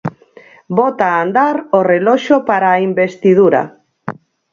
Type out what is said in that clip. Bota a andar o reloxo para a investidura.